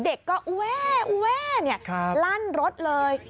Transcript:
เด็กก็แว่ลั่นรถเลย